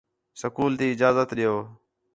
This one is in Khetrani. سکول تی اجازت ݙیؤ